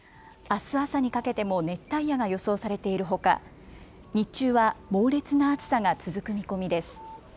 あす朝にかけても熱帯夜が予想されているほか日中は猛烈な暑さが続く見込みです。